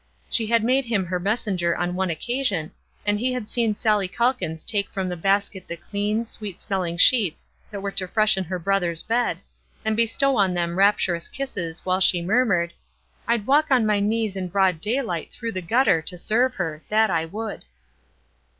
She had made him her messenger on one occasion, and he had seen Sally Calkins take from the basket the clean, sweet smelling sheets that were to freshen her brother's bed, and bestow on them rapturous kisses, while she murmured, "I'd walk on my knees in broad daylight through the gutter to serve her, that I would."